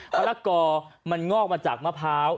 มาระกอมงอกจากมะพู้